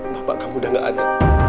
bapak kamu udah gak ada